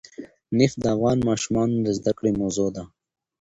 نفت د افغان ماشومانو د زده کړې موضوع ده.